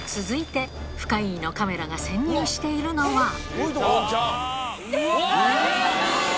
続いて、深イイのカメラが潜入しているのは。